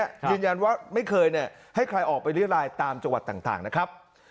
ยืนยันว่าไม่เคยให้ใครออกไปเรียรายตามจังหวัดต่างนะครับ